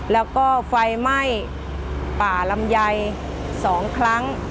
แล้วก็ไฟไหม้ป่าลำไย๒ครั้ง